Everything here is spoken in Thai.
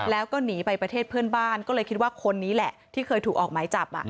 แล้วก็หนีไปประเทศเพื่อนบ้านก็เลยคิดว่าคนนี้แหละที่เคยถูกออกหมายจับ